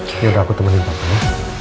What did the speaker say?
ini udah aku temenin bapak ya